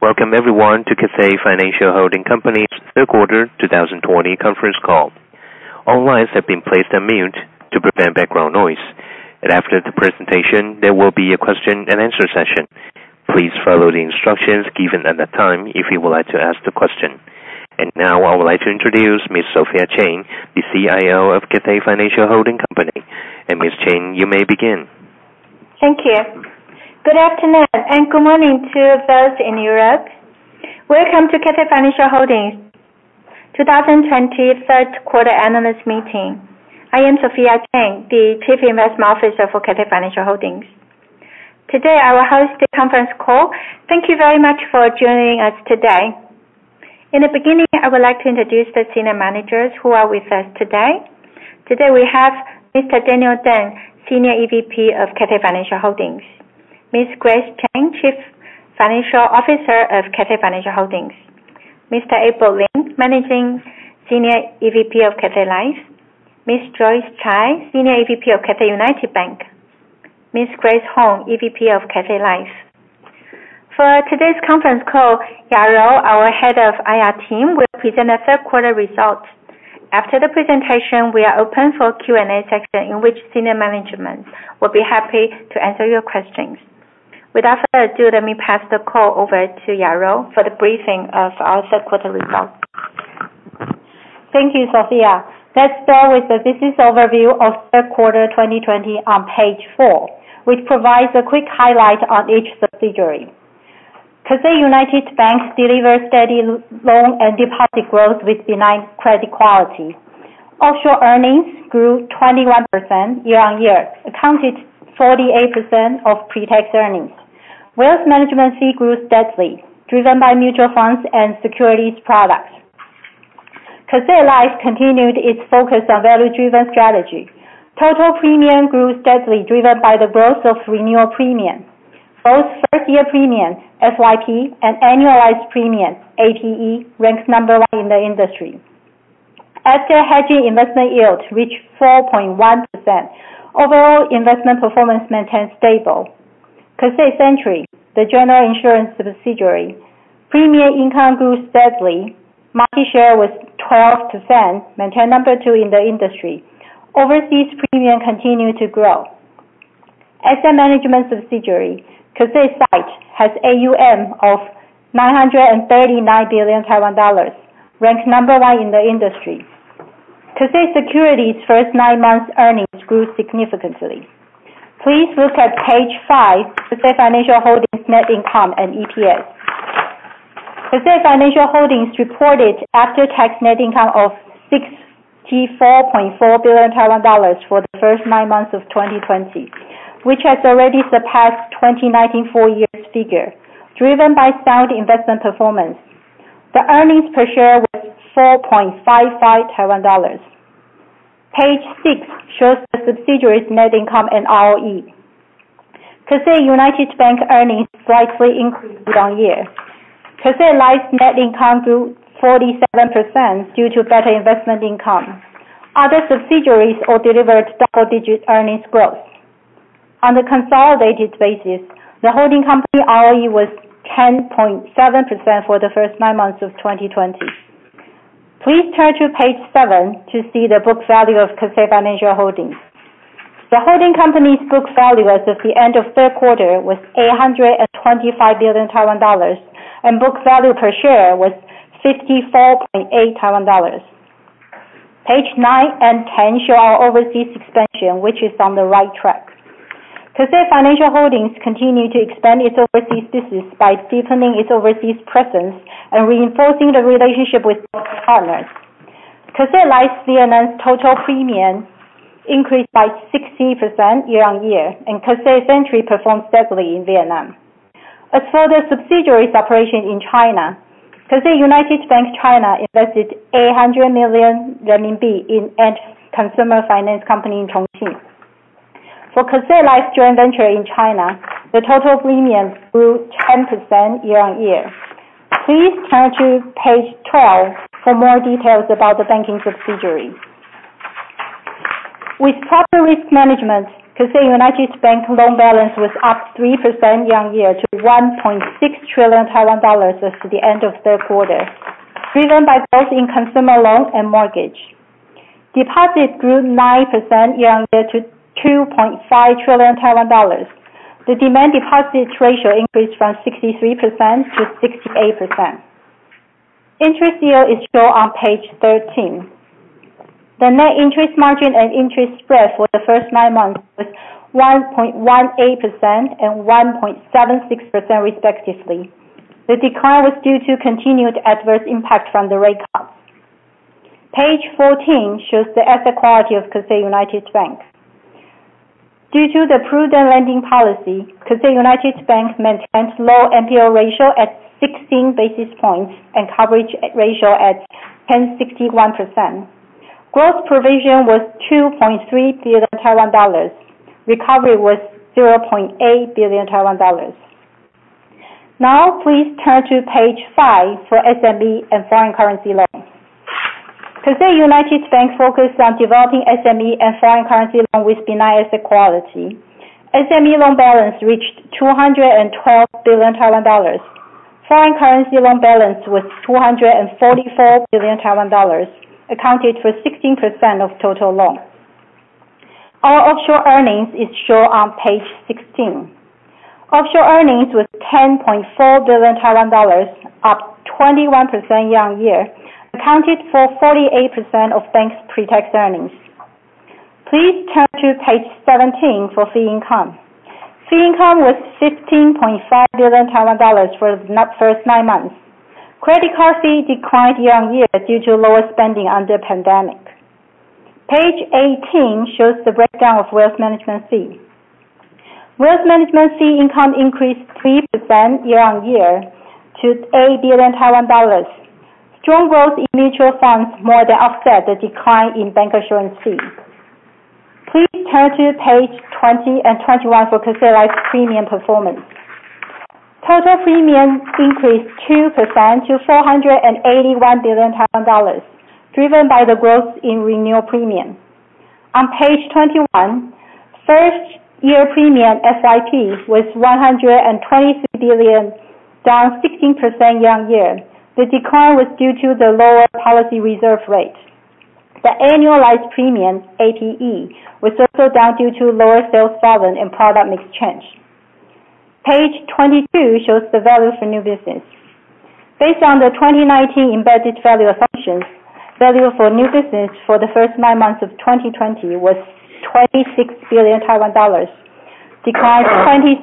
Welcome everyone to Cathay Financial Holding Company's third quarter 2020 conference call. All lines have been placed on mute to prevent background noise, and after the presentation, there will be a question and answer session. Please follow the instructions given at that time if you would like to ask the question. Now I would like to introduce Ms. Sophia Cheng, the CIO of Cathay Financial Holding Company. Ms. Cheng, you may begin. Thank you. Good afternoon, and good morning to those in Europe. Welcome to Cathay Financial Holding's 2020 third quarter analyst meeting. I am Sophia Cheng, the Chief Investment Officer for Cathay Financial Holding. Today, I will host the conference call. Thank you very much for joining us today. In the beginning, I would like to introduce the senior managers who are with us today. Today we have Mr. Daniel Teng, Senior EVP of Cathay Financial Holding; Ms. Grace Chen, Chief Financial Officer of Cathay Financial Holding; Mr. Abel Lin, Managing Senior EVP of Cathay Life; Ms. Joyce Chai, Senior EVP of Cathay United Bank; Ms. Grace Hong, EVP of Cathay Life. For today's conference call, Yaro, our head of IR team, will present the third quarter results. After the presentation, we are open for Q&A session, in which senior management will be happy to answer your questions. Without further ado, let me pass the call over to Yaro for the briefing of our third quarter results. Thank you, Sophia. Let's start with the business overview of third quarter 2020 on page four, which provides a quick highlight on each subsidiary. Cathay United Bank delivers steady loan and deposit growth with benign credit quality. Offshore earnings grew 21% year-on-year, accounted 48% of pre-tax earnings. Wealth management fee grew steadily, driven by mutual funds and securities products. Cathay Life continued its focus on value-driven strategy. Total premium grew steadily, driven by the growth of renewal premium. Both First-Year Premium, FYP, and Annualized Premium Equivalent, APE, rank number one in the industry. After hedging investment yield reached 4.1%. Overall investment performance maintained stable. Cathay Century, the general insurance subsidiary, premium income grew steadily. Market share was 12%, maintain number two in the industry. Overseas premium continued to grow. Asset management subsidiary, Cathay SITE, has AUM of 939 billion Taiwan dollars, ranked number one in the industry. Cathay Securities' first nine months earnings grew significantly. Please look at page five, Cathay Financial Holding's net income and EPS. Cathay Financial Holding reported after-tax net income of 64.4 billion dollars for the first nine months of 2020, which has already surpassed 2019 full year figure, driven by sound investment performance. The earnings per share was TWD 4.55. Page six shows the subsidiaries' net income and ROE. Cathay United Bank earnings slightly increased year-on-year. Cathay Life net income grew 47% due to better investment income. Other subsidiaries all delivered double-digit earnings growth. On a consolidated basis, the holding company ROE was 10.7% for the first nine months of 2020. Please turn to page seven to see the book value of Cathay Financial Holding. The holding company's book value as of the end of third quarter was 825 billion Taiwan dollars, and book value per share was 54.8 Taiwan dollars. Page nine and 10 show our overseas expansion, which is on the right track. Cathay Financial Holding continues to expand its overseas business by deepening its overseas presence and reinforcing the relationship with local partners. Cathay Life Vietnam's total premium increased by 60% year-on-year, and Cathay Century performed steadily in Vietnam. As for the subsidiaries' operation in China, Cathay United Bank China invested 800 million RMB in Ant Consumer Finance Company in Chongqing. For Cathay Life's joint venture in China, the total premium grew 10% year-on-year. Please turn to page 12 for more details about the banking subsidiary. With proper risk management, Cathay United Bank loan balance was up 3% year-on-year to 1.6 trillion Taiwan dollars as of the end of third quarter, driven by both in consumer loans and mortgage. Deposit grew 9% year-on-year to 2.5 trillion Taiwan dollars. The demand deposit ratio increased from 63% to 68%. Interest yield is shown on page 13. The net interest margin and interest spread for the first nine months was 1.18% and 1.76% respectively. The decline was due to continued adverse impact from the rate cuts. Page 14 shows the asset quality of Cathay United Bank. Due to the prudent lending policy, Cathay United Bank maintains low NPL ratio at 16 basis points and coverage ratio at 1061%. Gross provision was 2.3 billion Taiwan dollars. Recovery was 0.8 billion Taiwan dollars. Now please turn to page five for SME and foreign currency loans. Cathay United Bank focused on developing SME and foreign currency loans with benign asset quality. SME loan balance reached 212 billion Taiwan dollars. Foreign currency loan balance was 244 billion Taiwan dollars, accounted for 16% of total loans. Our offshore earnings is shown on page 16. Offshore earnings was 10.4 billion Taiwan dollars, up 21% year-on-year, accounted for 48% of bank's pre-tax earnings. Please turn to page 17 for fee income. Fee income was 15.5 billion dollars for the first nine months. Credit card fee declined year-on-year due to lower spending under pandemic. Page 18 shows the breakdown of wealth management fee. Wealth management fee income increased 3% year-on-year to 8 billion Taiwan dollars. Strong growth in mutual funds more than offset the decline in bank assurance fee. Please turn to page 20 and 21 for Cathay Life's premium performance. Total premiums increased 2% to 481 billion dollars, driven by the growth in renewal premium. On page 21, first year premium, FYP, was 123 billion, down 16% year-on-year. The decline was due to the lower policy reserve rate. The annualized premium, APE, was also down due to lower sales volume and product mix change. Page 22 shows the value for new business. Based on the 2019 embedded value assumptions, value for new business for the first nine months of 2020 was 26 billion Taiwan dollars, declined 27%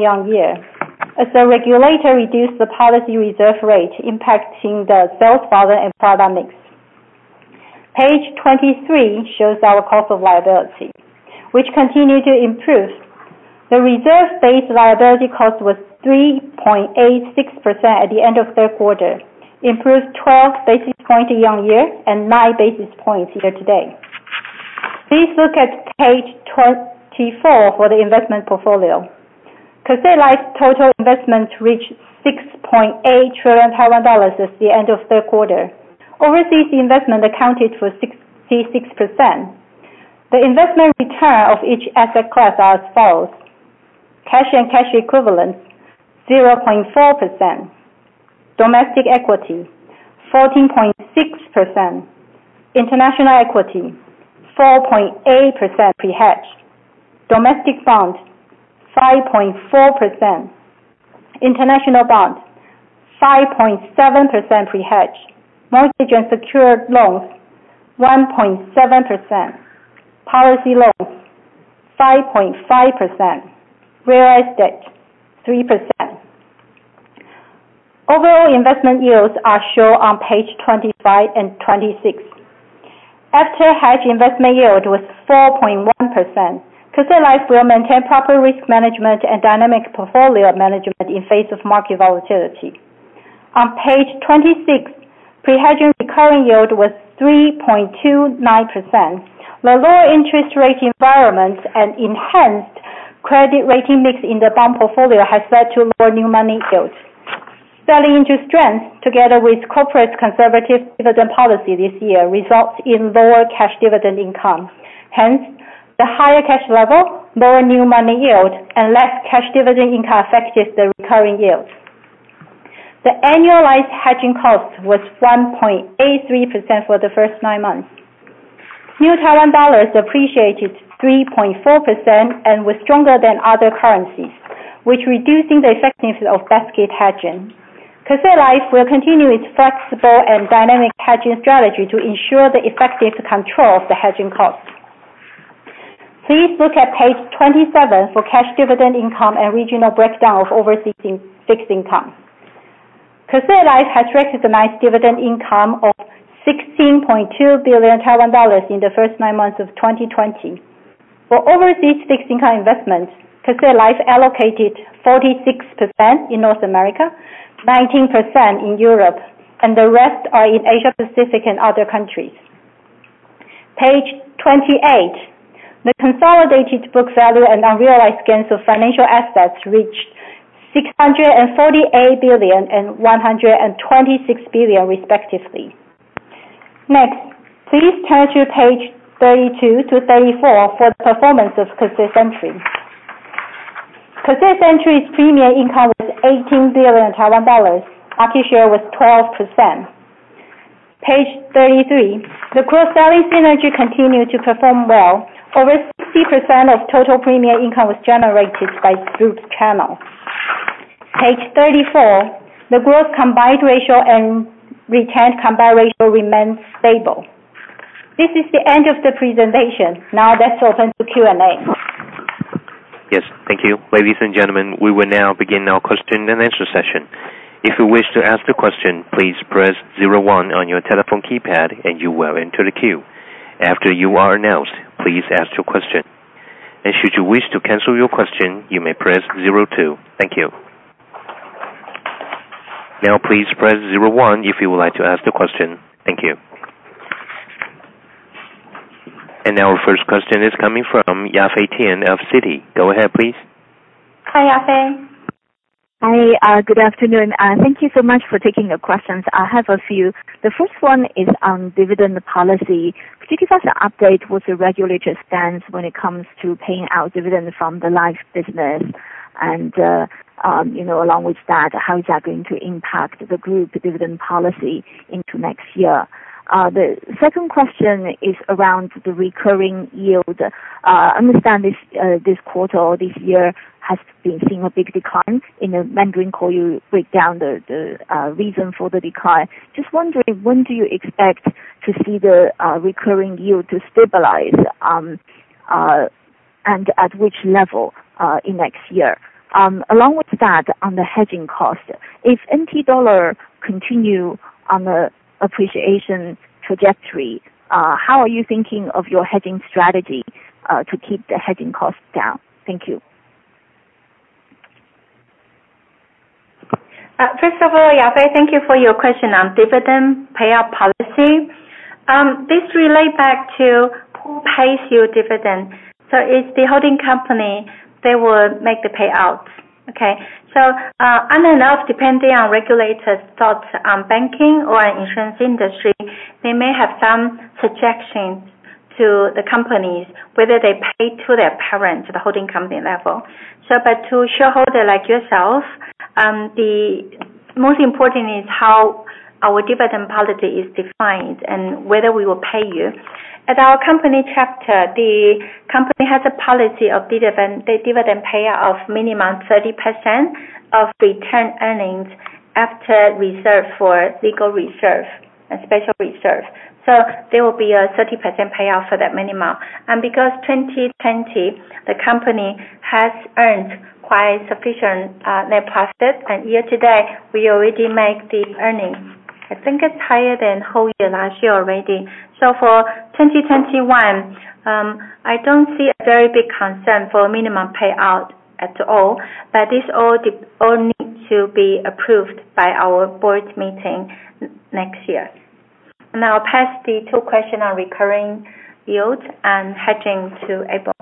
year-on-year, as the regulator reduced the policy reserve rate, impacting the sales volume and product mix. Page 23 shows our cost of liability, which continued to improve. The reserve-based liability cost was 3.86% at the end of the third quarter, improved 12 basis points year-on-year and nine basis points year to date. Please look at page 24 for the investment portfolio. Cathay Life's total investments reached 6.8 trillion Taiwan dollars at the end of the third quarter. Overseas investment accounted for 66%. The investment return of each asset class are as follows: cash and cash equivalents, 0.4%; domestic equity, 14.6%; international equity, 4.8% pre-hedge; domestic bonds, 5.4%; international bonds, 5.7% pre-hedge; mortgage and secured loans, 1.7%; policy loans, 5.5%; real estate, 3%. Overall investment yields are shown on page 25 and 26. After hedge investment yield was 4.1%. Cathay Life will maintain proper risk management and dynamic portfolio management in face of market volatility. On page 26, pre-hedging recurring yield was 3.29%. The lower interest rate environments and enhanced credit rating mix in the bond portfolio has led to lower new money yields. Selling into strength, together with corporate conservative dividend policy this year, results in lower cash dividend income. Hence, the higher cash level, lower new money yield, and less cash dividend income affected the recurring yields. The annualized hedging cost was 1.83% for the first nine months. TWD appreciated 3.4% and was stronger than other currencies, which reducing the effectiveness of basket hedging. Cathay Life will continue its flexible and dynamic hedging strategy to ensure the effective control of the hedging cost. Please look at page 27 for cash dividend income and regional breakdown of overseas fixed income. Cathay Life has recognized dividend income of 16.2 billion Taiwan dollars in the first nine months of 2020. For overseas fixed income investments, Cathay Life allocated 46% in North America, 19% in Europe, and the rest are in Asia Pacific and other countries. Page 28, the consolidated book value and unrealized gains of financial assets reached 648 billion and 126 billion respectively. Next, please turn to page 32 to 34 for the performance of Cathay Century. Cathay Century's premium income was 18 billion Taiwan dollars. Equity share was 12%. Page 33, the cross-selling synergy continued to perform well. Over 60% of total premium income was generated by group channels. Page 34, the growth combined ratio and retained combined ratio remains stable. This is the end of the presentation. Now let's open to Q&A. Yes, thank you. Ladies and gentlemen, we will now begin our question and answer session. If you wish to ask a question, please press 01 on your telephone keypad and you will enter the queue. After you are announced, please ask your question. Should you wish to cancel your question, you may press 02. Thank you. Please press 01 if you would like to ask the question. Thank you. Our first question is coming from Yafei Tian of Citi. Go ahead, please. Hi, Yafei. Hi, good afternoon. Thank you so much for taking the questions. I have a few. The first one is on dividend policy. Could you give us an update what the regulator stands when it comes to paying out dividends from the life business and, along with that, how is that going to impact the group dividend policy into next year? The second question is around the recurring yield. I understand this quarter or this year has been seeing a big decline. In the Mandarin call, you break down the reason for the decline. Just wondering, when do you expect to see the recurring yield to stabilize, and at which level in next year? Along with that, on the hedging cost, if NT dollar continue on the appreciation trajectory, how are you thinking of your hedging strategy to keep the hedging costs down? Thank you. First of all, Yafei, thank you for your question on dividend payout policy. This relates back to who pays you dividend. It's the holding company, they will make the payouts. Okay. On and off, depending on regulators' thoughts on banking or insurance industry, they may have some suggestions to the companies, whether they pay to their parent, the holding company level. But to a shareholder like yourself, the most important is how our dividend policy is defined and whether we will pay you. At our company chapter, the company has a policy of dividend payout of a minimum 30% of retained earnings after reserve for legal reserve and special reserve. There will be a 30% payout for that minimum. Because 2020, the company has earned quite sufficient net profit, and year to date, we already make the earnings. I think it's higher than whole year last year already. For 2021, I don't see a very big concern for minimum payout at all. This all needs to be approved by our board meeting next year. I'll pass the two questions on recurring yields and hedging to Abel.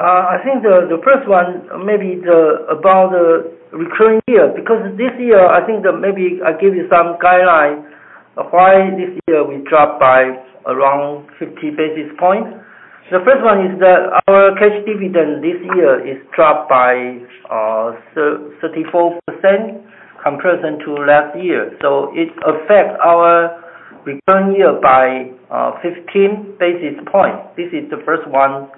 I think the first one maybe about the recurring yield. This year, I think maybe I give you some guidelines why this year we dropped by around 50 basis points. The first one is that our cash dividend this year is dropped by 34% in comparison to last year. It affects our recurring yield by 15 basis points. This is the first one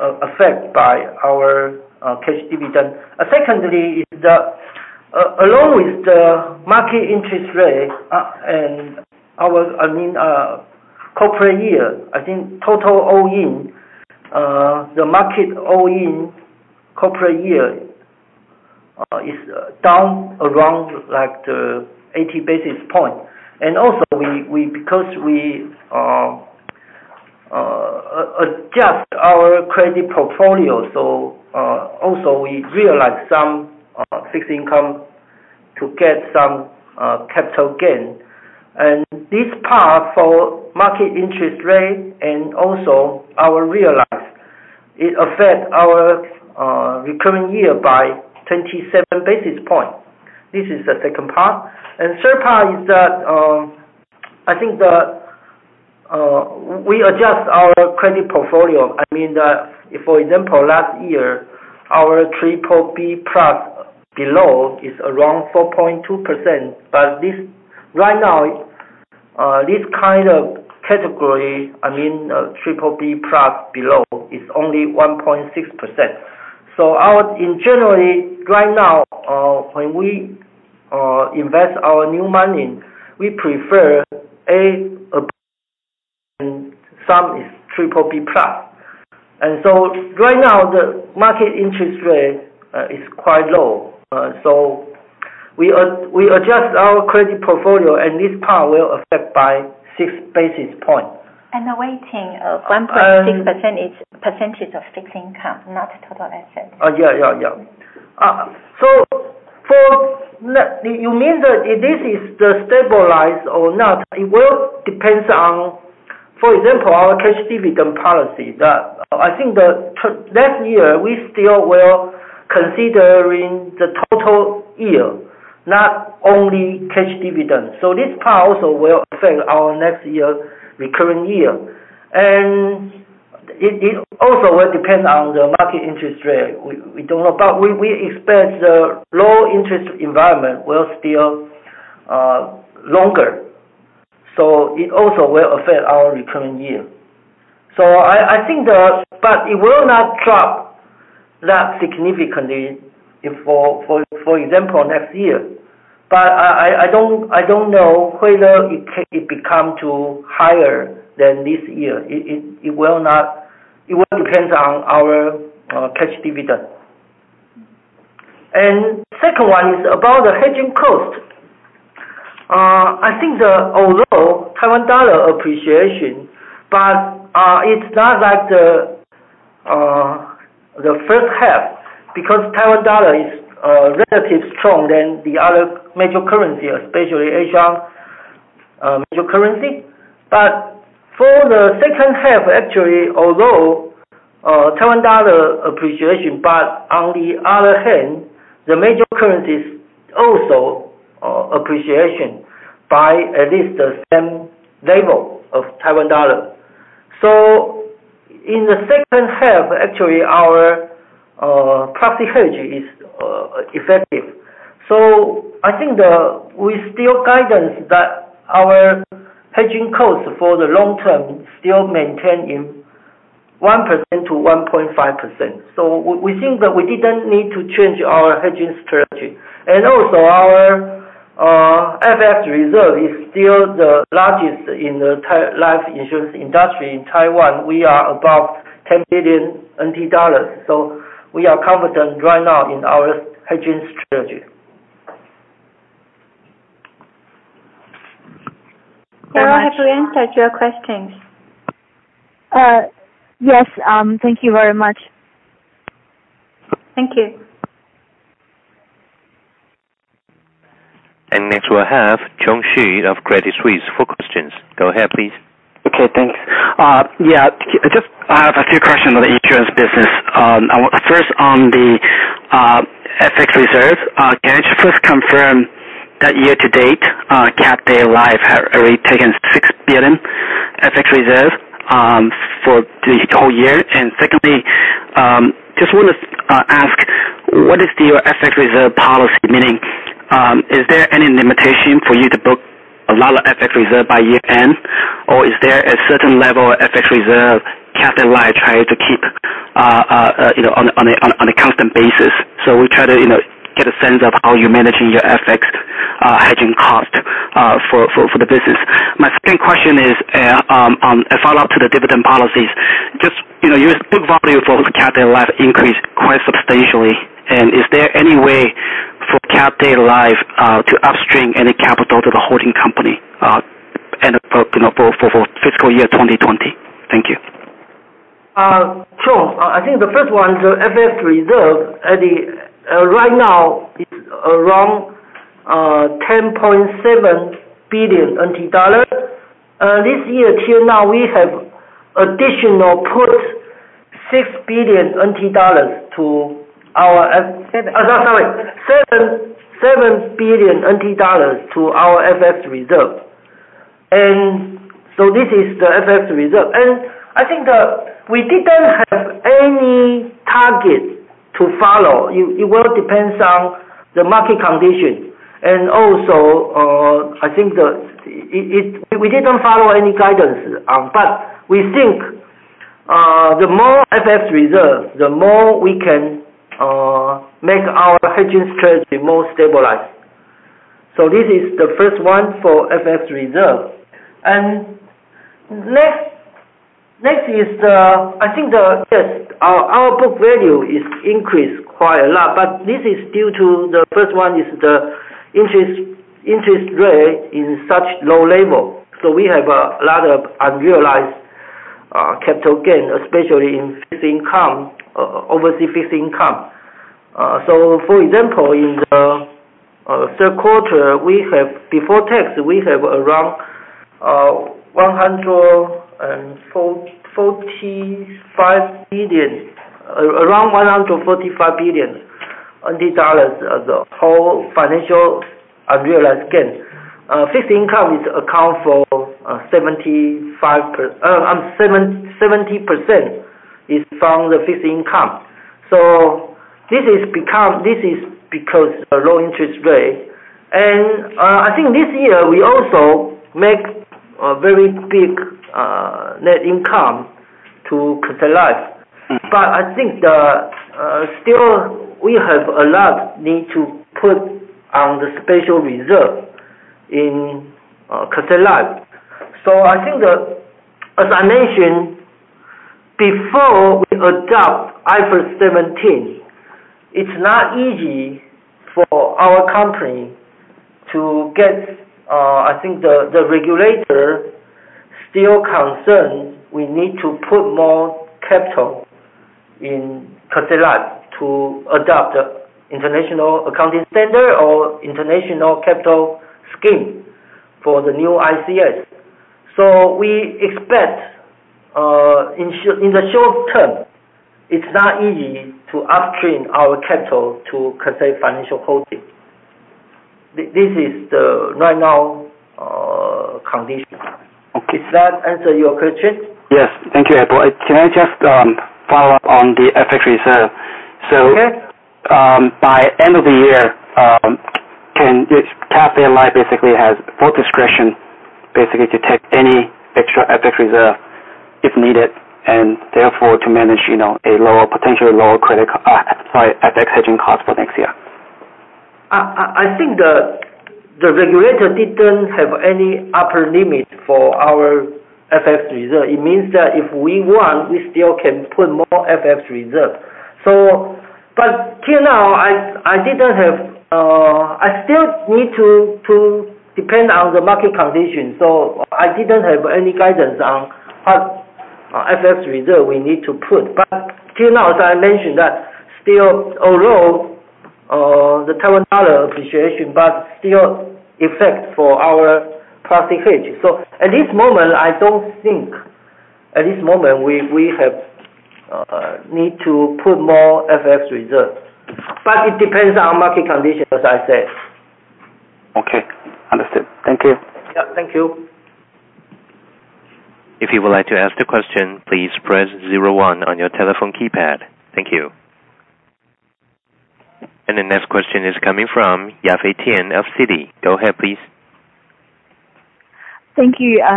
affected by our cash dividend. Secondly, along with the market interest rate and our corporate yield, I think total all-in, the market all-in corporate yield is down around the 80 basis points. Because we adjust our credit portfolio, also we realize some fixed income to get some capital gain. This part for market interest rate and also our realize, it affect our recurring yield by 27 basis points. This is the second part. The third part is that, I think we adjust our credit portfolio. For example, last year, our BBB plus below is around 4.2%, but right now, this kind of category, BBB plus below, is only 1.6%. Generally, right now, when we invest our new money, we prefer A, and some is BBB plus. Right now, the market interest rate is quite low. We adjust our credit portfolio, and this part will affect by six basis points. Awaiting 1.6% is percentage of fixed income, not total asset. You mean that this is stabilized or not? It will depend on, for example, our cash dividend policy, that I think that last year we still were considering the total yield, not only cash dividend. This part also will affect our next year's recurring yield. It also will depend on the market interest rate. We don't know, but we expect the low interest environment will still longer. It also will affect our recurring yield. It will not drop that significantly, for example, next year. I don't know whether it can become higher than this year. It will depend on our cash dividend. The second one is about the hedging cost. I think that although Taiwan dollar appreciation, it's not like the first half, because Taiwan dollar is relatively stronger than the other major currency, especially Asian major currency. For the second half, actually, although Taiwan dollar appreciation, on the other hand, the major currency is also appreciation by at least the same level of Taiwan dollar. In the second half, actually, our proxy hedge is effective. I think we still guidance that our hedging costs for the long term still maintain in 1%-1.5%. We think that we didn't need to change our hedging strategy. Our FX reserve is still the largest in the life insurance industry in Taiwan. We are above 10 billion NT dollars. We are confident right now in our hedging strategy. Carol, have we answered your questions? Yes. Thank you very much. Thank you. Next we'll have Chung Hsu of Credit Suisse for questions. Go ahead, please. Okay, thanks. I just have a few questions on the insurance business. First on the FX reserve. Can I just first confirm that year to date, Cathay Life have already taken TWD 6 billion FX reserve for the whole year? Secondly, just want to ask, what is your FX reserve policy? Meaning, is there any limitation for you to book a lot of FX reserve by year-end? Is there a certain level of FX reserve Cathay Life try to keep on a constant basis? We try to get a sense of how you're managing your FX hedging cost for the business. My second question is on a follow-up to the dividend policies. Just your big value for Cathay Life increased quite substantially. Is there any way for Cathay Life to upstream any capital to the holding company and for fiscal year 2020? Thank you. Sure. I think the first one is the FX reserve. Right now is around 10.7 billion NT dollars. This year till now, we have additional put 6 billion NT dollars to our, I am sorry, 7 billion NT dollars to our FX reserve. This is the FX reserve. I think that we did not have any target to follow. It will depend on the market condition. Also, I think that we did not follow any guidance. We think, the more FX reserve, the more we can make our hedging strategy more stabilized. This is the first one for FX reserve. Next is the, I think the, yes, our book value is increased quite a lot, but this is due to the first one is the interest rate in such low level. We have a lot of unrealized capital gain, especially in fixed income, obviously fixed income. For example, in the third quarter, before tax, we have around 145 billion of the whole financial unrealized gain. Fixed income accounts for 70% is from the fixed income. I think this year we also make a very big net income to Cathay Life. I think that still we have a lot need to put on the special reserve in Cathay Life. I think that, as I mentioned before, we adopt IFRS 17. It is not easy for our company to get. I think the regulator still concerned we need to put more capital in Cathay Life to adopt International Accounting Standard or International Capital Scheme for the new ICS. We expect, in the short term, it is not easy to upstream our capital to Cathay Financial Holding. This is the right now condition. Okay. Does that answer your question? Yes. Thank you, Edward. Can I just follow up on the FX reserve? Okay. By end of the year, Cathay Life basically has full discretion basically to take any extra FX reserve if needed, and therefore to manage a potentially lower FX hedging cost for next year. I think the regulator didn't have any upper limit for our FX reserve. It means that if we want, we still can put more FX reserve. Till now, I still need to depend on the market condition, I didn't have any guidance on what FX reserve we need to put. Till now, as I mentioned, that still although the Taiwan dollar appreciation, but still effect for our profit hedge. At this moment, I don't think we have need to put more FX reserves. It depends on market conditions, as I said. Okay. Understood. Thank you. Yeah. Thank you. If you would like to ask the question, please press 01 on your telephone keypad. Thank you. The next question is coming from Yafei Tian of Citi. Go ahead, please. Thank you. I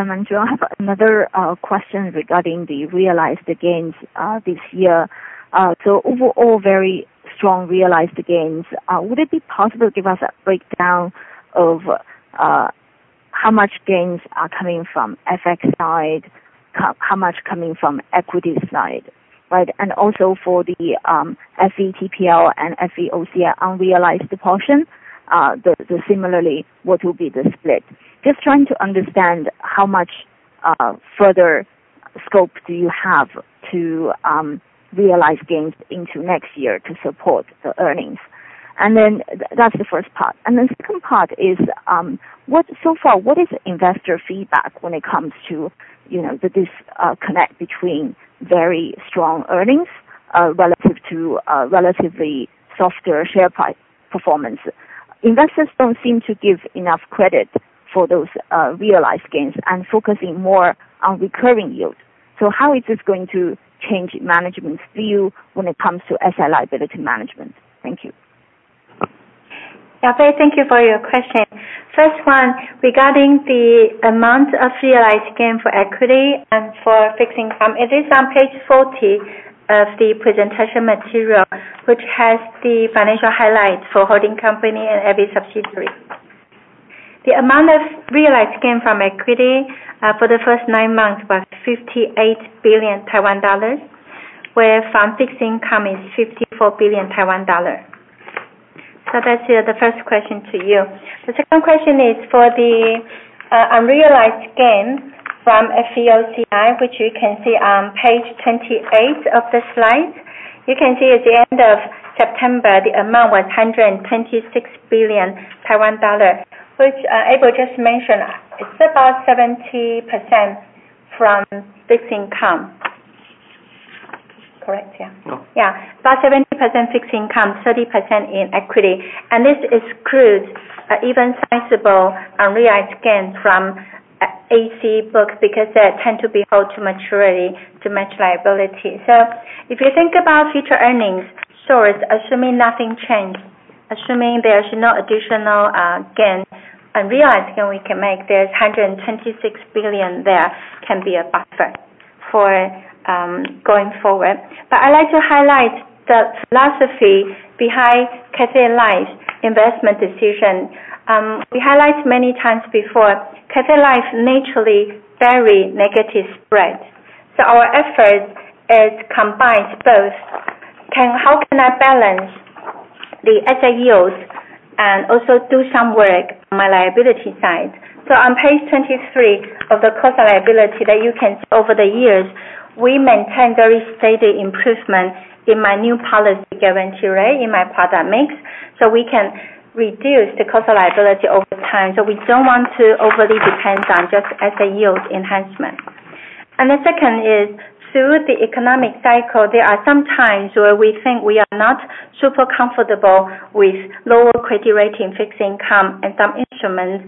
have another question regarding the realized gains this year. Overall, very strong realized gains. Would it be possible to give us a breakdown of how much gains are coming from FX side, how much coming from equities side. Right? Also for the FVTPL and FVOCI unrealized portion, similarly, what will be the split? Just trying to understand how much further scope do you have to realize gains into next year to support the earnings. That's the first part. The second part is, so far, what is investor feedback when it comes to this connect between very strong earnings relative to relatively softer share price performance? Investors don't seem to give enough credit for those realized gains and focusing more on recurring yields. How is this going to change management's view when it comes to asset liability management? Thank you. Yafei, thank you for your question. First one, regarding the amount of realized gain for equity and for fixed income, it is on page 40 of the presentation material, which has the financial highlights for holding company and every subsidiary. The amount of realized gain from equity for the first nine months was 58 billion Taiwan dollars, where from fixed income is 54 billion Taiwan dollars. That's the first question to you. The second question is for the unrealized gain from FVOCI, which you can see on page 28 of the slides. You can see at the end of September, the amount was 126 billion Taiwan dollar, which April just mentioned, it's about 70% from fixed income. Correct? Yeah. Yeah. About 70% fixed income, 30% in equity. This excludes even sizable unrealized gain from AC books because they tend to be held to maturity to match liability. If you think about future earnings source, assuming nothing change, assuming there's no additional gain, unrealized gain, we can make this 126 billion there can be a buffer for going forward. I'd like to highlight the philosophy behind Cathay Life investment decision. We highlight many times before, Cathay Life naturally very negative spread. Our effort is combined both can, how can I balance the asset yields and also do some work on my liability side? On page 23 of the cost of liability that you can see over the years, we maintain very steady improvement in my new policy guarantee rate in my product mix, so we can reduce the cost of liability over time. We don't want to overly depend on just asset yield enhancement. The second is through the economic cycle, there are some times where we think we are not super comfortable with lower credit rating fixed income and some instruments.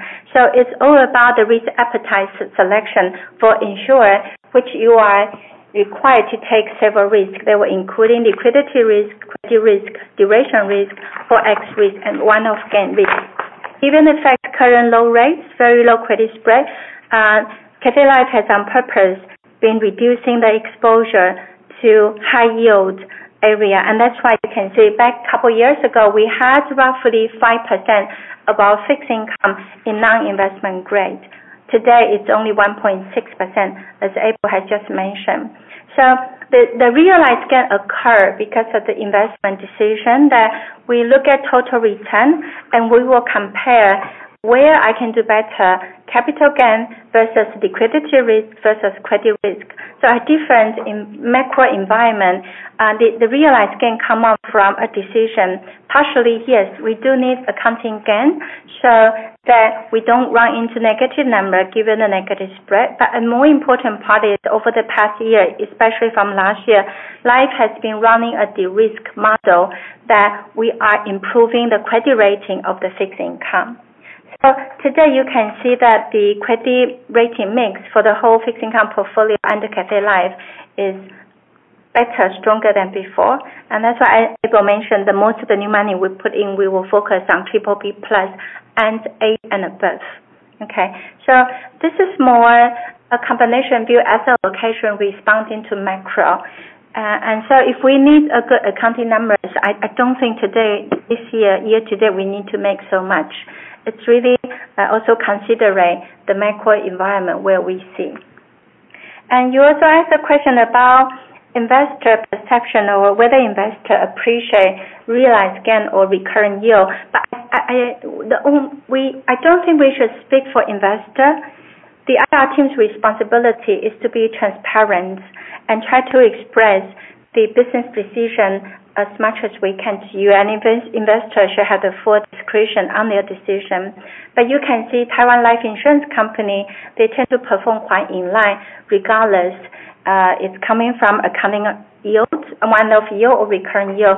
It's all about the risk appetite selection for insurer, which you are required to take several risks. They were including liquidity risk, credit risk, duration risk, FX risk, and one-off gain risk. Even affect current low rates, very low credit spread, Cathay Life has on purpose been reducing the exposure to high yield area. That's why you can see back couple years ago, we had roughly 5% above fixed income in non-investment grade. Today, it's only 1.6%, as April has just mentioned. The realized gain occur because of the investment decision that we look at total return, and we will compare where I can do better capital gain versus liquidity risk versus credit risk. A different macro environment, the realized gain come out from a decision. Partially, yes, we do need accounting gain so that we don't run into negative number given the negative spread. A more important part is over the past year, especially from last year, Life has been running a de-risk model that we are improving the credit rating of the fixed income. Today, you can see that the credit rating mix for the whole fixed income portfolio under Cathay Life is better, stronger than before. That's why April mentioned the most of the new money we put in, we will focus on BBB+ and A and above. Okay? This is more a combination view asset allocation responding to macro. If we need a good accounting numbers, I don't think today, this year to date, we need to make so much. It's really also considering the macro environment where we see. You also asked a question about investor perception or whether investors appreciate realized gain or recurring yield. I don't think we should speak for investors. The IR team's responsibility is to be transparent and try to express the business decision as much as we can to you, and investors should have the full discretion on their decision. You can see Taiwan Life Insurance Company, they tend to perform quite in line regardless. It's coming from a coming yield, one-off yield or recurring yield.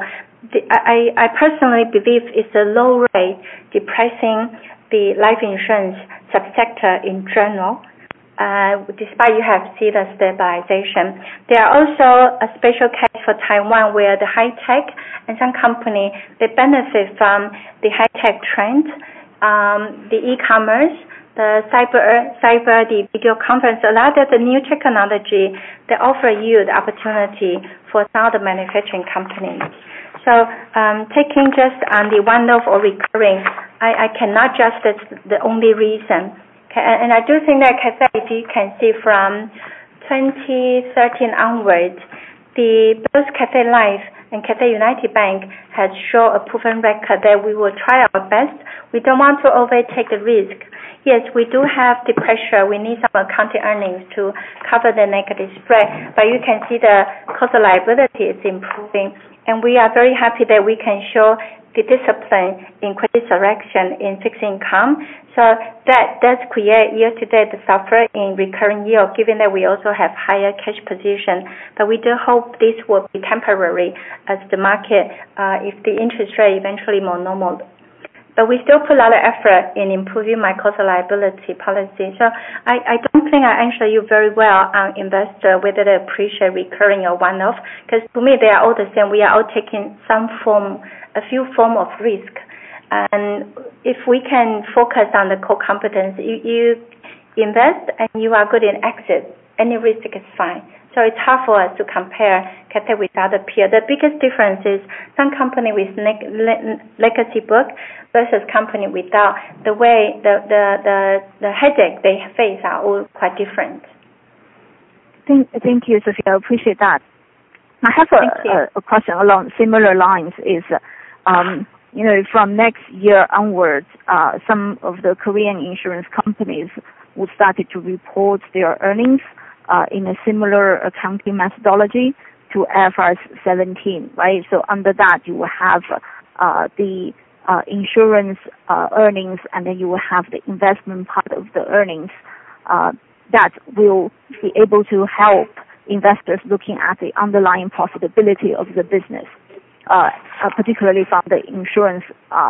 I personally believe it's a low rate depressing the life insurance sub-sector in general, despite you have seen the stabilization. There is also a special case for Taiwan, where the high-tech and some companies, they benefit from the high-tech trend, the e-commerce, the cyber, the video conference, a lot of the new technology that offer you the opportunity for now the manufacturing companies. Taking just on the one-off or recurring, I cannot just that's the only reason. Okay. I do think that Cathay, if you can see from 2013 onwards, both Cathay Life and Cathay United Bank have shown a proven record that we will try our best. We don't want to overtake the risk. Yes, we do have the pressure. We need some accounting earnings to cover the negative spread. You can see the cost of liability is improving, and we are very happy that we can show the discipline in correct direction in fixed income. That does create year-to-date the suffering in recurring yield, given that we also have higher cash position. We do hope this will be temporary as the market, if the interest rate eventually more normal. We still put a lot of effort in improving my cost of liability policy. I don't think I answer you very well on investors, whether they appreciate recurring or one-off, because for me, they are all the same. We are all taking a few forms of risk, and if we can focus on the core competence, you invest and you are good in exit, any risk is fine. It's hard for us to compare Cathay with other peers. The biggest difference is some companies with legacy book versus companies without. The headaches they face are all quite different. Thank you, Sophia. I appreciate that. Thank you. I have a question along similar lines is, from next year onwards, some of the Korean insurance companies will started to report their earnings, in a similar accounting methodology to IFRS 17, right? Under that, you will have the insurance earnings, and then you will have the investment part of the earnings, that will be able to help investors looking at the underlying profitability of the business, particularly from the insurance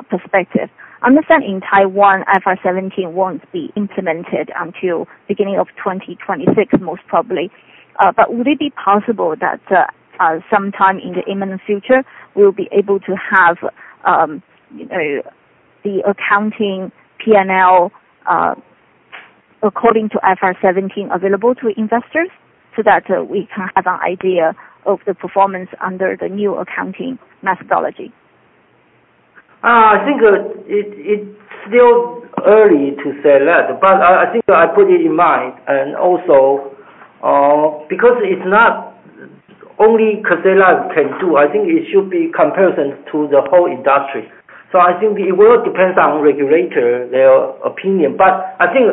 perspective. Understand in Taiwan, IFRS 17 won't be implemented until beginning of 2026, most probably. Would it be possible that sometime in the imminent future, we'll be able to have the accounting P&L according to IFRS 17 available to investors so that we can have an idea of the performance under the new accounting methodology? I think it's still early to say that, but I think I put it in mind and also because it's not only Cathay Life can do, I think it should be comparison to the whole industry. I think it will depends on regulator, their opinion. I think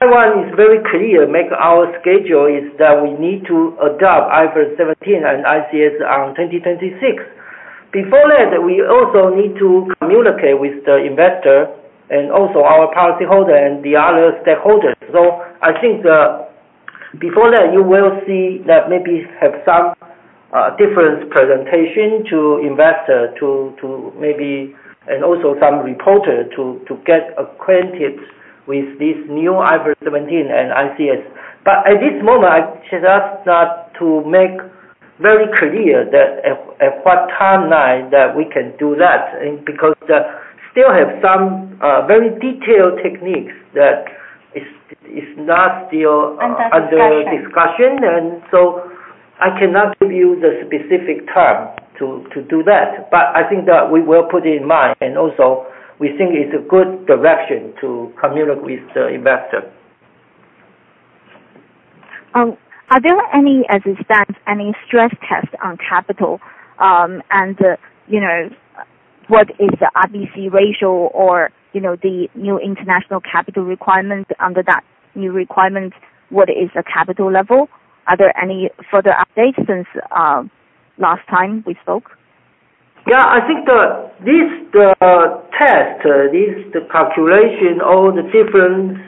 Taiwan is very clear, make our schedule is that we need to adopt IFRS 17 and ICS on 2026. Before that, we also need to communicate with the investor and also our policyholder and the other stakeholders. I think before that, you will see that maybe have some different presentation to investor and also some reporter to get acquainted with this new IFRS 17 and ICS. At this moment, I should ask that to make very clear that at what timeline that we can do that, because still have some very detailed techniques that is not still- Under discussion under discussion. I cannot give you the specific term to do that. I think that we will put in mind, and also we think it's a good direction to communicate with the investor. Are there any, as it stands, any stress test on capital? What is the RBC ratio or the new international capital requirement under that new requirement, what is the capital level? Are there any further updates since last time we spoke? I think this test, this calculation, all the different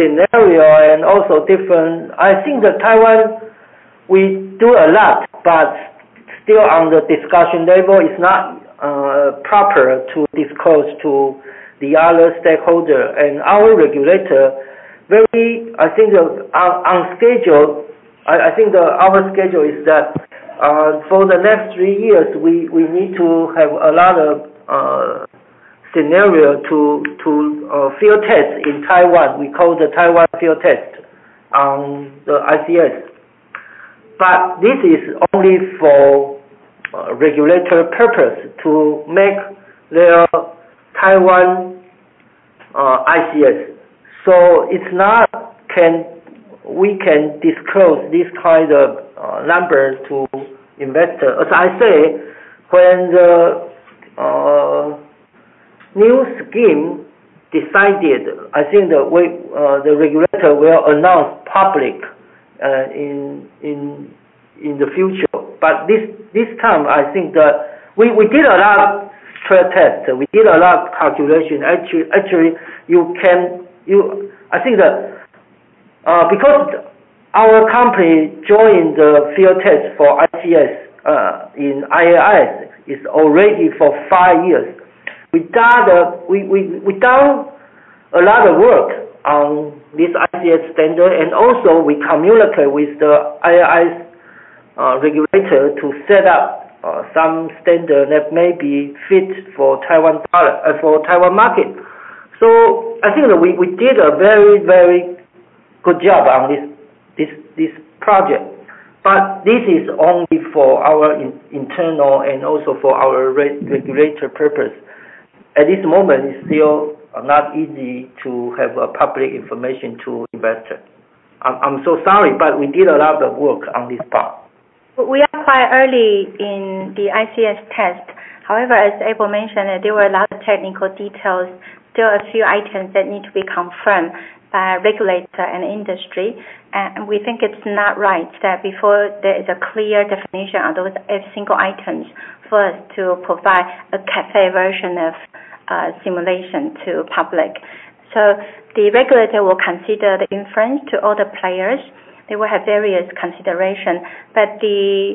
scenario and also different I think that Taiwan, we do a lot, but still on the discussion level, it's not proper to disclose to the other stakeholder. Our regulator very, I think on schedule. I think our schedule is that, for the next three years, we need to have a lot of scenario to field test in Taiwan. We call the Taiwan field test on the ICS. This is only for regulator purpose to make their Taiwan ICS. It's not we can disclose these kind of numbers to investors. As I say, when the new scheme decided, I think the regulator will announce public in the future. This time, I think that we did a lot of stress test. We did a lot of calculation. Actually, I think that because our company joined the field test for ICS in IAIS, it's already for five years. We've done a lot of work on this ICS standard, and also we communicate with the IAIS regulator to set up some standard that may be fit for Taiwan market. I think that we did a very good job on this project. This is only for our internal and also for our regulator purpose. At this moment, it's still not easy to have public information to investors. I'm so sorry, but we did a lot of work on this part. We are quite early in the ICS test. As April mentioned, there were a lot of technical details. There are a few items that need to be confirmed by regulator and industry, and we think it's not right that before there is a clear definition on those eight single items for us to provide a CAPE version of simulation to public. The regulator will consider the inference to all the players. They will have various consideration. The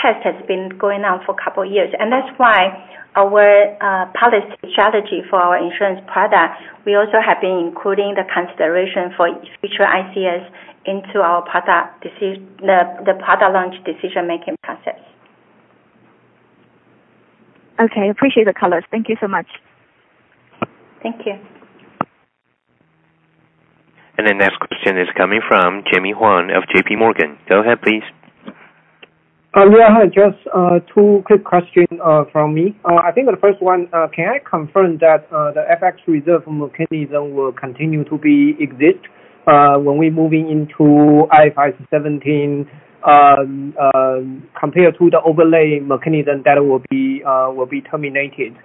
test has been going on for a couple of years, and that's why our policy strategy for our insurance product, we also have been including the consideration for future ICS into the product launch decision-making process. Okay. Appreciate the colors. Thank you so much. Thank you. The next question is coming from Jimmy Huang of JP Morgan. Go ahead, please. Yeah. Hi. Just two quick question from me. I think the first one, can I confirm that the FX reserve mechanism will continue to exist when we're moving into IFRS 17, compared to the overlay mechanism that will be terminated?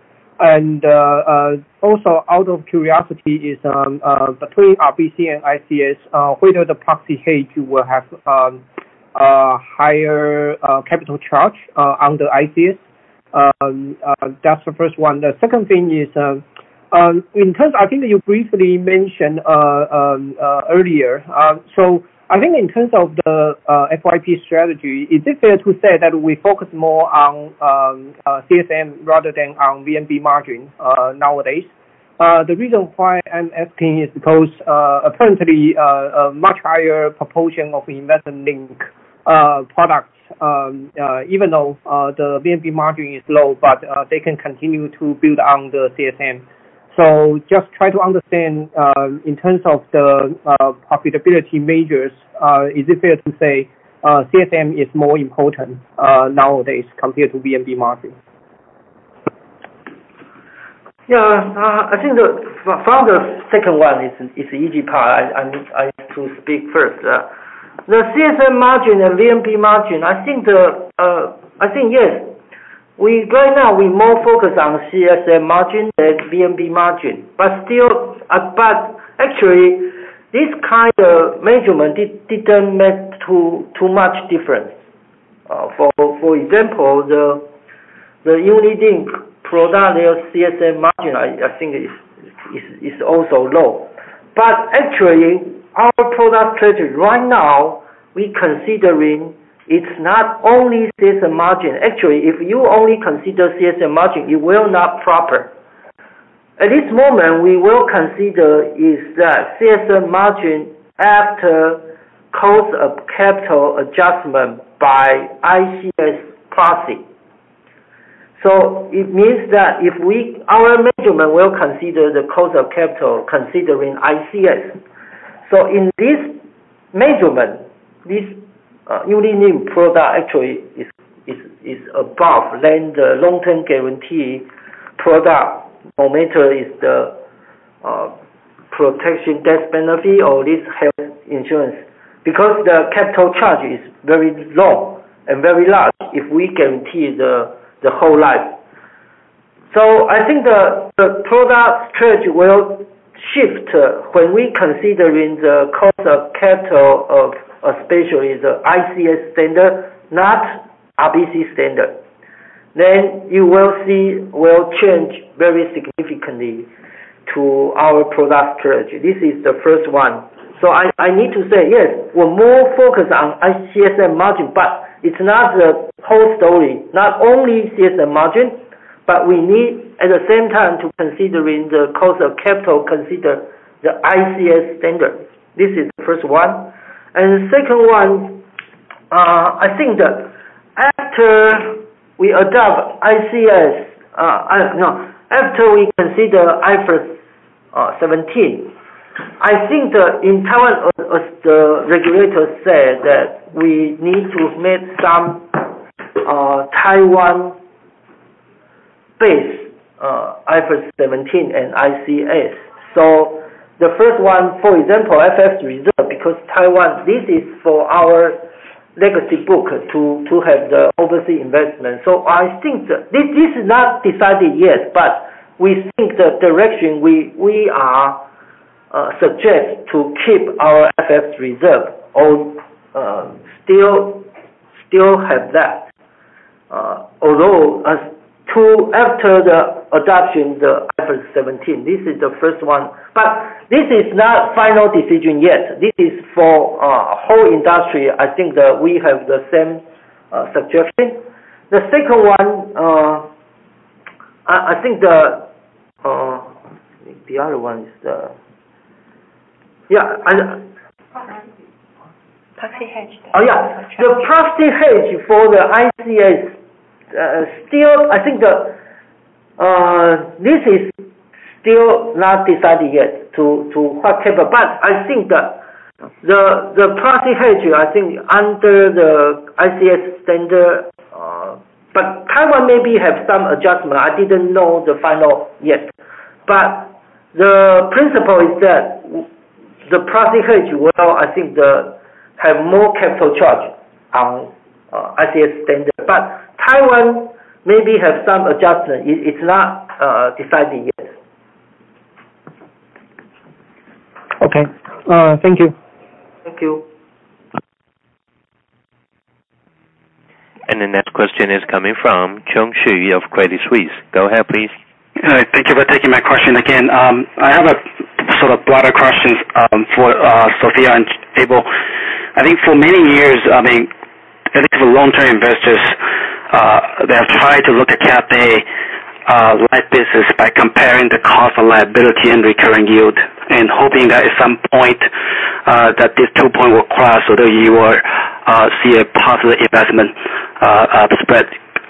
Also out of curiosity is, between RBC and ICS, whether the proxy hedge will have higher capital charge under ICS? That's the first one. The second thing is, in terms I think that you briefly mentioned earlier. I think in terms of the FYP strategy, is it fair to say that we focus more on CSM rather than on VNB margin nowadays? The reason why I'm asking is because, apparently, a much higher proportion of investment-linked products, even though the VNB margin is low, but they can continue to build on the CSM. Just try to understand, in terms of the profitability measures, is it fair to say CSM is more important nowadays compared to VNB margin? Yeah. I think the second one is the easy part. I need to speak first. The CSM margin and VNB margin, I think, yes. Right now, we're more focused on CSM margin than VNB margin. Actually, this kind of measurement didn't make too much difference. For example, the unit-linked product, their CSM margin, I think is also low. Actually, our product strategy right now, we considering it's not only CSM margin. Actually, if you only consider CSM margin, it will not proper. At this moment, we will consider is the CSM margin after cost of capital adjustment by ICS proxy. It means that our measurement will consider the cost of capital considering ICS. In this measurement, this unit-linked product actually is above than the long-term guarantee product, no matter is the protection death benefit or this health insurance because the capital charge is very low and very large if we guarantee the whole life. I think the product strategy will shift when we considering the cost of capital of especially the ICS standard, not RBC standard. You will see will change very significantly to our product strategy. This is the first one. I need to say yes, we're more focused on CSM margin, but it's not the whole story. Not only CSM margin, but we need at the same time to considering the cost of capital, consider the ICS standard. This is the first one. The second one, after we consider IFRS 17, in Taiwan, as the regulator said, we need to meet some Taiwan-based IFRS 17 and ICS. The first one, for example, FX reserve, because Taiwan, this is for our legacy book to have the overseas investment. This is not decided yet, but we think the direction we suggest to keep our FX reserve or still have that. Although, after the adoption of IFRS 17, this is the first one. This is not final decision yet. This is for our whole industry. We have the same suggestion. The second one, the other one is the. Proxy hedge. The proxy hedge for the ICS. This is still not decided yet to whatever. The proxy hedge, under the ICS standard, Taiwan maybe have some adjustment. I didn't know the final yet. The principle is that the proxy hedge will have more capital charge on ICS standard. Taiwan maybe have some adjustment. It's not decided yet. Thank you. Thank you. The next question is coming from Chung Hsu of Credit Suisse. Go ahead, please. Thank you for taking my question again. I have a sort of broader question for Sophia and Abel. I think for many years, I think for long-term investors, they have tried to look at Cathay Life business by comparing the cost of liability and recurring yield, hoping that at some point that these two points will cross, so that you will see a positive investment spread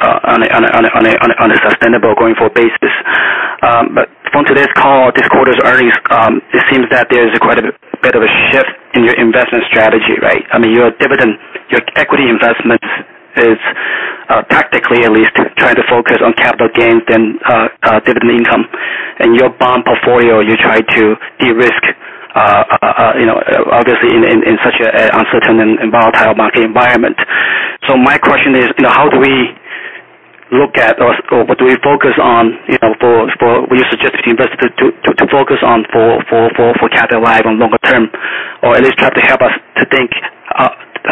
on a sustainable going-forward basis. From today's call, this quarter's earnings, it seems that there's quite a bit of a shift in your investment strategy, right? Your dividend, your equity investment is practically at least trying to focus on capital gains than dividend income. Your bond portfolio, you try to de-risk, obviously in such an uncertain and volatile market environment. My question is, how do we look at, or Will you suggest the investor to focus on for Cathay Life on longer term? At least try to help us to think,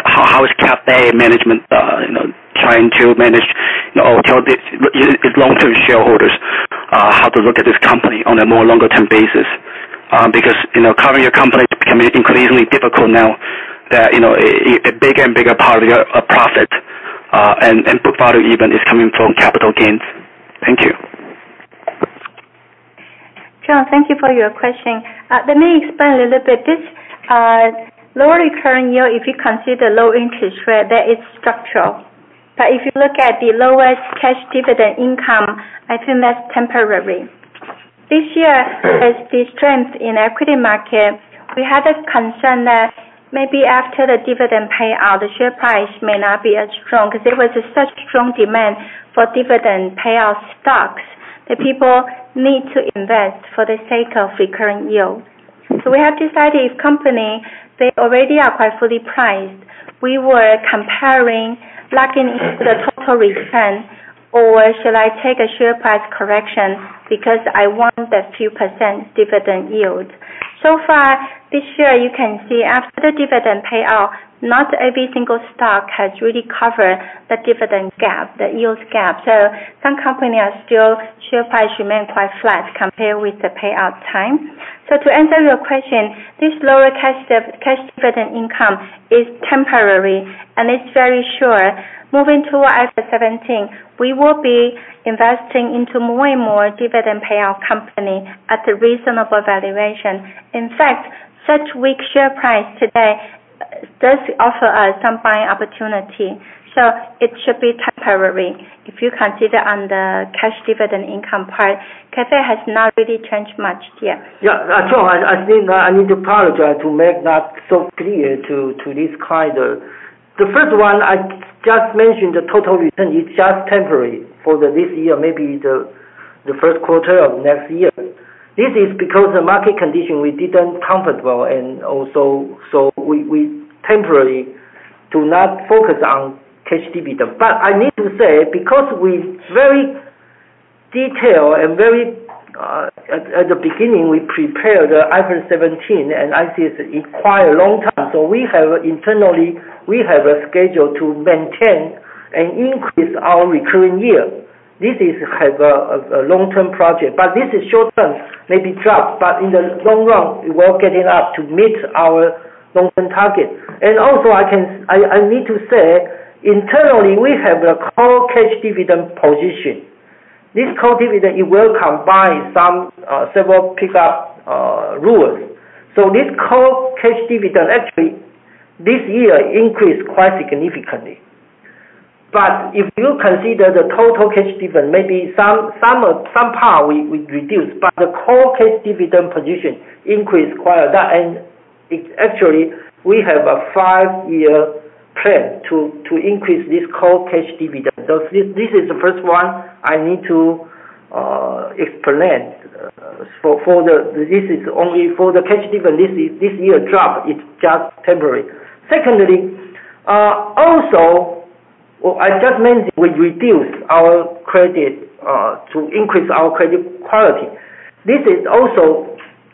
how is Cathay management trying to manage its long-term shareholders, how to look at this company on a more longer-term basis? Because covering your company is becoming increasingly difficult now that a bigger and bigger part of your profit and book value even is coming from capital gains. Thank you. John, thank you for your question. Let me explain a little bit. This lower recurring yield, if you consider low interest rate, that is structural. If you look at the lowest cash dividend income, I think that's temporary. This year has been strength in equity market. We had a concern that maybe after the dividend payout, the share price may not be as strong, because there was such strong demand for dividend payout stocks that people need to invest for the sake of recurring yield. We have decided if company, they already are quite fully priced, we were comparing locking in the total return or should I take a share price correction because I want that few % dividend yield. So far, this year you can see after the dividend payout, not every single stock has really covered the dividend gap, the yields gap. Some company are still share price remain quite flat compared with the payout time. To answer your question, this lower cash dividend income is temporary, and it's very sure. Moving to IFRS 17, we will be investing into more and more dividend payout company at a reasonable valuation. In fact, such weak share price today does offer us some buying opportunity. It should be temporary. If you consider on the cash dividend income part, Cathay has not really changed much. John, I think I need to apologize to make that so clear to this quarter. The first one I just mentioned, the total return is just temporary for this year, maybe the first quarter of next year. This is because the market condition we didn't comfortable and also, we temporarily do not focus on cash dividend. I need to say, because we very detail and very At the beginning, we prepared the IFRS 17 and ICS require a long time. We have internally, we have a schedule to maintain and increase our recurring yield. This is a long-term project, but this is short-term, maybe drop. In the long run, we're getting up to meet our long-term target. I need to say, internally, we have a core cash dividend position. This core dividend, it will combine some several pick up rules. This core cash dividend, actually this year increased quite significantly. If you consider the total cash dividend, maybe some part we reduced, but the core cash dividend position increased quite a lot, and actually, we have a five-year plan to increase this core cash dividend. This is the first one I need to explain. This is only for the cash dividend. This year drop is just temporary. Secondly, also, I just mentioned we reduced our credit to increase our credit quality. This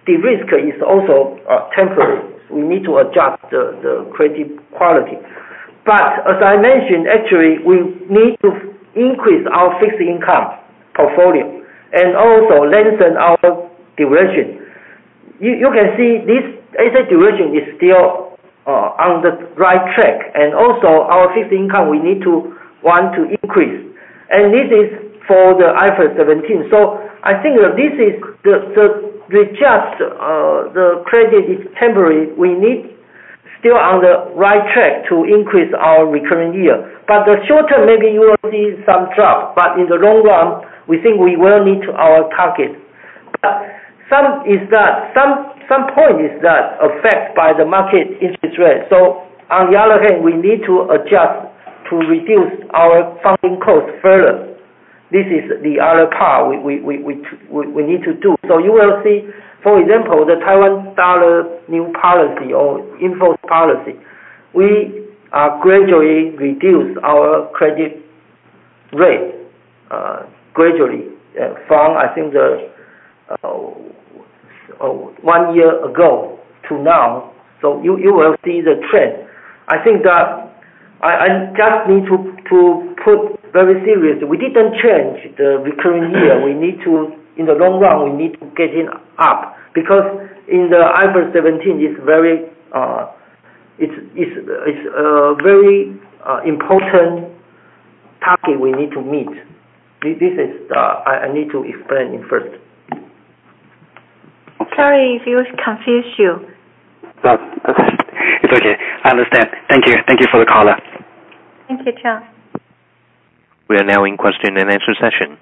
de-risk is also temporary. We need to adjust the credit quality. As I mentioned, actually, we need to increase our fixed income portfolio and also lengthen our duration. You can see this asset duration is still on the right track, and also our fixed income, we need to want to increase. This is for the IFRS 17. I think that this is the adjust. The credit is temporary. We need still on the right track to increase our recurring year. In the short term, maybe you will see some drop. In the long run, we think we will meet our target. Some point is that affect by the market interest rate. On the other hand, we need to adjust to reduce our funding cost further. This is the other part we need to do. You will see, for example, the TWD new policy or import policy. We gradually reduce our credit rate gradually from, I think one year ago to now. You will see the trend. I think that I just need to put very serious. We didn't change the recurring year. In the long run, we need to get it up because in the IFRS 17, it's a very important target we need to meet. This is I need to explain it first. Sorry if it was confuse you. No. Okay. It's okay. I understand. Thank you. Thank you for the color. Thank you, Charles. We are now in question and answer session.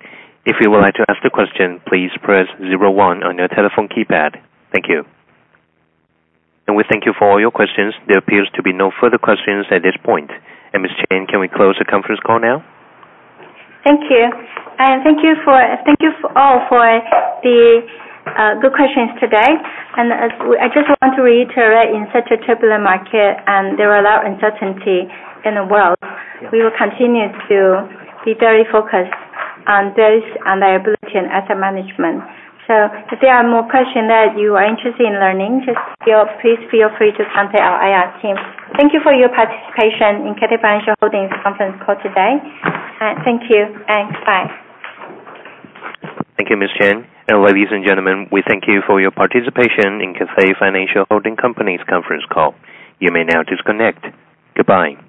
If you would like to ask the question, please press zero one on your telephone keypad. Thank you. We thank you for all your questions. There appears to be no further questions at this point. Ms. Chen, can we close the conference call now? Thank you. Thank you all for the good questions today. I just want to reiterate, in such a turbulent market and there are a lot of uncertainty in the world, we will continue to be very focused on this and liability and asset management. If there are more question that you are interested in learning, just please feel free to contact our IR team. Thank you for your participation in Cathay Financial Holding's conference call today. Thank you and bye. Thank you, Ms. Chen. Ladies and gentlemen, we thank you for your participation in Cathay Financial Holding Company's conference call. You may now disconnect. Goodbye.